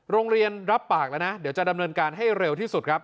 รับปากแล้วนะเดี๋ยวจะดำเนินการให้เร็วที่สุดครับ